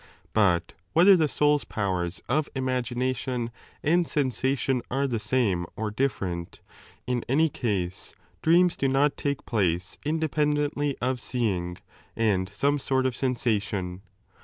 But whether the soul's 7 powers of imagination and sensation are the same or ditferent, in any case dreams do not take place indepen dently of seeing and some sort of sensation.